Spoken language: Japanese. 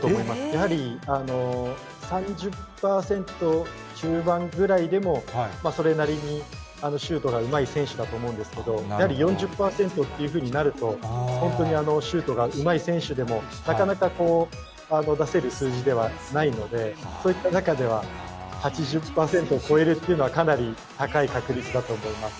やはり３０％中盤ぐらいでも、それなりにシュートがうまい選手だと思うんですけど、やはり４０％っていうふうになると、本当にシュートがうまい選手でも、なかなか出せる数字ではないので、そういった中では８０％を超えるっていうのは、かなり高い確率だ